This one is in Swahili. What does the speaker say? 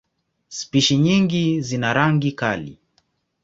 Spishi nyingi zina rangi kali.